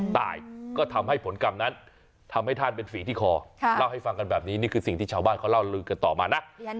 ตายก็ทำให้ผลกรรมนั้นทำให้ท่านเป็นฝีที่คอเล่าให้ฟังกันแบบนี้นี่คือสิ่งที่ชาวบ้านเขาเล่าลือกันต่อมานะ